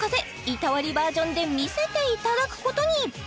板割りバージョンで見せていただくことに！